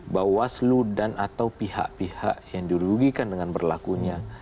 bahwa seludan atau pihak pihak yang dirugikan dengan berlakunya